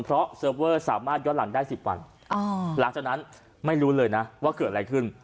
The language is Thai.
เพราะเซิร์ฟเวอร์สามารถย้อนหลังได้๑๐วันหลังจากนั้นไม่รู้เลยนะว่าเกิดอะไรขึ้น